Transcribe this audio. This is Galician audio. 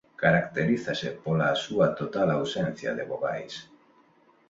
Caracterízase pola súa total ausencia de vogais.